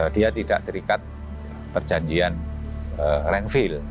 dia tidak terikat perjanjian rangfill